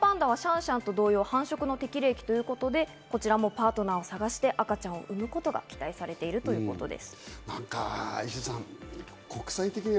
双子パンダはシャンシャンと同様、繁殖の適齢期ということで、パートナーを探して赤ちゃんを産むことが期待されているということです。